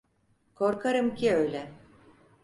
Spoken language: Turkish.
Korkarım ki öyle.